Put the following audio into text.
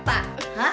hah hah hah